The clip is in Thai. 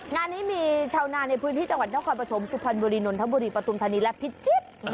งานนี้มีชาวนาในพื้นที่จังหวัดน้องความประถมสุพรรณบุรีนนท์ธังบุรีประตุมธนีรและพิจิตร